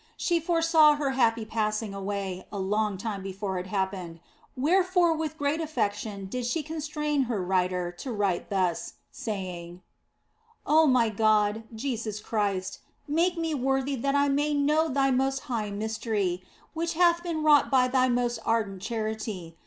She foresaw her happy passing away a long time before it happened, wherefore with great affection did she constrain her writer to write thus, saying " Oh my God, Jesus Christ, make me worthy that I may know Thy most high mystery, which hath been wrought by Thy most ardent charity.